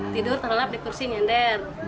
tidur terhadap di kursi nyender